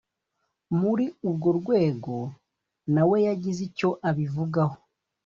muri urwo rwego na we yagize icyo abivugaho